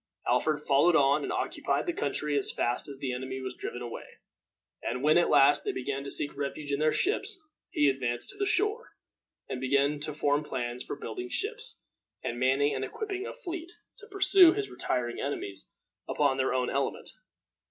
Alfred followed on and occupied the country as fast as the enemy was driven away; and when, at last, they began to seek refuge in their ships, he advanced to the shore, and began to form plans for building ships, and manning and equipping a fleet, to pursue his retiring enemies upon their own element.